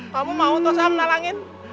kamu mau toh saya menalangin